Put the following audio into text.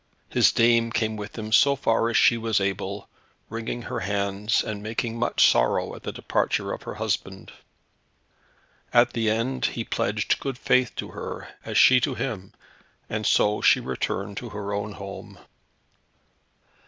His dame came with him so far as she was able, wringing her hands, and making much sorrow, at the departure of her husband. At the end he pledged good faith to her, as she to him, and so she returned to her own home.